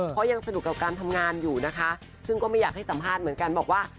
เพราะยังสนุกกับการทำงานอยู่นะคะซึ่งก็ไม่อยากให้สัมภาษณ์เหมือนกันบอกว่า